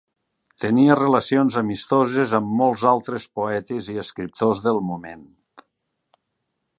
Tenia relacions amistoses amb molts altres poetes i escriptors del moment.